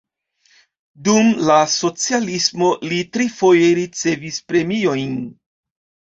Dum la socialismo li trifoje ricevis premiojn.